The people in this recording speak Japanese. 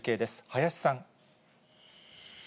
林さん。